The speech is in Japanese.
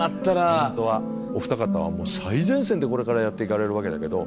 おふた方は最前線でこれからやっていかれるわけだけど。